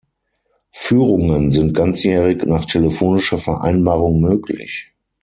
Führungen sind ganzjährig nach telefonischer Vereinbarung möglich.